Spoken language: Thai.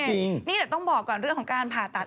นี่แต่ต้องบอกก่อนเรื่องของการผ่าตัด